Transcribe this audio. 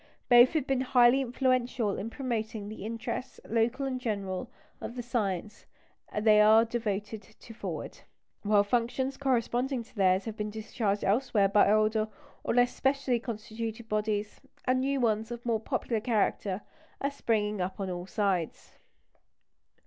Both have been highly influential in promoting the interests, local and general, of the science they are devoted to forward; while functions corresponding to theirs have been discharged elsewhere by older or less specially constituted bodies, and new ones of a more popular character are springing up on all sides.